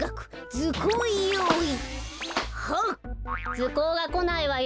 ずこうがこないわよ。